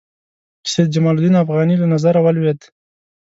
سید جمال الدین افغاني له نظره ولوېد.